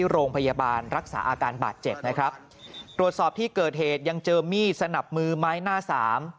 โดยกดสอบที่เกิดเหตุยังเจอมีสนับมือไม้หน้าสาม